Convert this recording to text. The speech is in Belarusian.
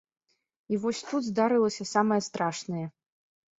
І вось тут здарылася самае страшнае.